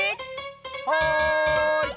はい！